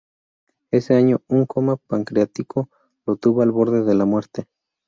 Ese año "un coma pancreático lo tuvo al borde de la muerte.